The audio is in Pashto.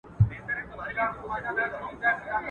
د يوه پېچ کېدی، بل کونه ځيني غوښته.